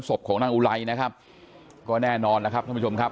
ศพของนางอุไลนะครับก็แน่นอนแล้วครับท่านผู้ชมครับ